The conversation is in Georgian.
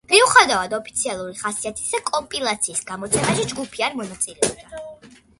მიუხედავად ოფიციალური ხასიათისა, კომპილაციის გამოცემაში ჯგუფი არ მონაწილეობდა.